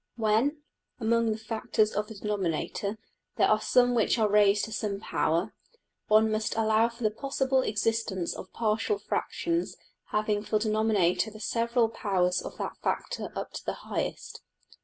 } When, among the factors of the denominator there are some which are raised to some power, one must allow for the possible existence of partial fractions having for denominator the several powers of that factor up to the highest.